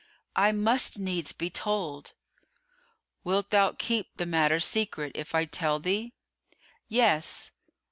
"I must needs be told." "Wilt thou keep the matter secret, if I tell thee?" "Yes!"